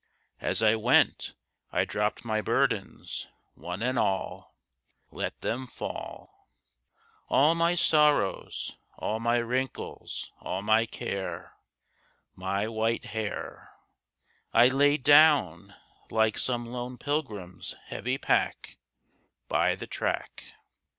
As I went, I dropped my burdens, one and all— Let them fall; All my sorrows, all my wrinkles, all my care, My white hair, I laid down, like some lone pilgrim's heavy pack, By the track.